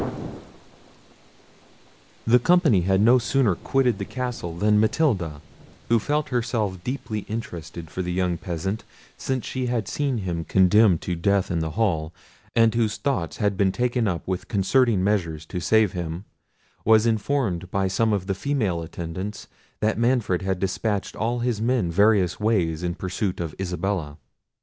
The company had no sooner quitted the castle than Matilda, who felt herself deeply interested for the young peasant, since she had seen him condemned to death in the hall, and whose thoughts had been taken up with concerting measures to save him, was informed by some of the female attendants that Manfred had despatched all his men various ways in pursuit of Isabella.